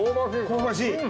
香ばしい？